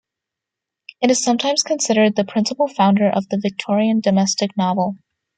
It is sometimes considered the "principal founder" of the Victorian domestic novel.